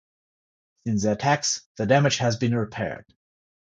Since the attacks, the damage has been repaired.